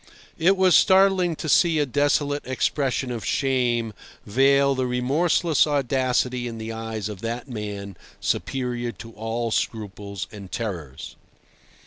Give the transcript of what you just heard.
It was startling to see a desolate expression of shame veil the remorseless audacity in the eyes of that man superior to all scruples and terrors.